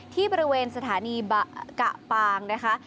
ที่บริเวณสถานีกะปางนะคะ